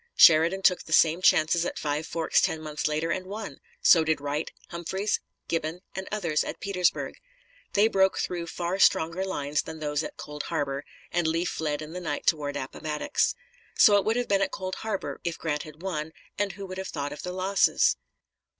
Sheridan took the same chances at Five Forks ten months later, and won; so did Wright, Humphreys, Gibbon, and others at Petersburg. They broke through far stronger lines than those at Cold Harbor, and Lee fled in the night toward Appomattox. So it would have been at Cold Harbor if Grant had won, and who would have thought of the losses?